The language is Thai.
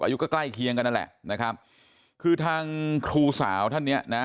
อายุก็ใกล้เคียงกันนั่นแหละนะครับคือทางครูสาวท่านเนี้ยนะ